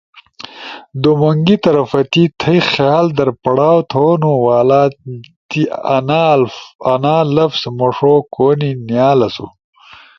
دومونگی طرفتی، تھئی خیال در پڑاؤ تھونو والا تی انا لفظ مݜو کونی نیالسو،